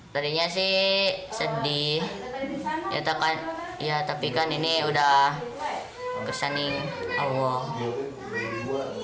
sedih sedih ya tapi kan ini udah kesening awal